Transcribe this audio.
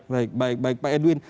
baik baik baik pak edwin